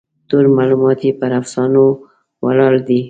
ټول معلومات یې پر افسانو ولاړ دي.